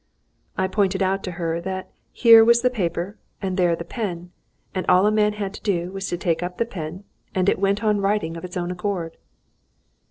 I pointed out to her that here was the paper and there the pen, and all a man had to do was to take up the pen, and it went on writing of its own accord.